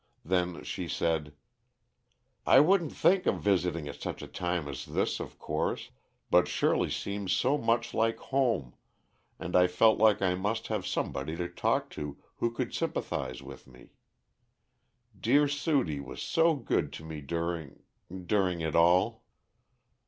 Then she said: "I wouldn't think of visiting at such a time as this, of course, but Shirley seems so much like home, and I felt like I must have somebody to talk to who could sympathize with me. Dear Sudie was so good to me during during it all."